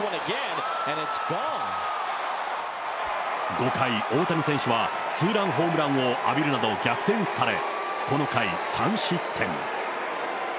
５回、大谷選手はツーランホームランを浴びるなど、逆転され、この回、３失点。